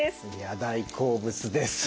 大好物です。